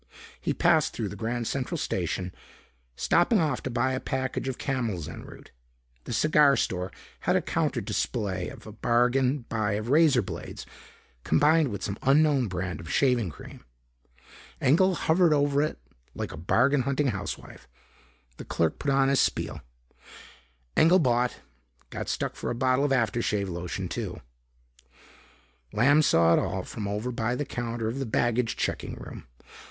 He passed through the Grand Central Station, stopping off to buy a package of Camels en route. The cigar store had a counter display of a bargain buy of razor blades combined with some unknown brand of shaving cream. Engel hovered over it like a bargain hunting housewife. The clerk put on his spiel. Engel bought, got stuck for a bottle of after shave lotion too. Lamb saw it all from over by the counter of the baggage checking room.